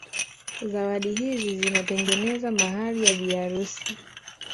Zawadi hizi zitatengeneza mahari ya bibi harusi